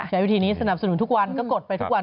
ใช้วิธีนี้สนับสนุนทุกวันก็กดไปทุกวัน